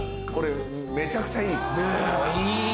これめちゃくちゃいいです。